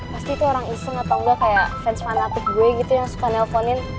pasti itu orang iseng atau enggak kayak fans fanatik gue gitu yang suka nelfonin